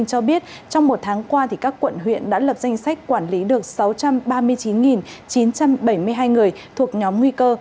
cho biết trong một tháng qua các quận huyện đã lập danh sách quản lý được sáu trăm ba mươi chín chín trăm bảy mươi hai người thuộc nhóm nguy cơ